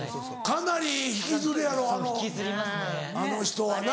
かなり引きずるやろあの人はな。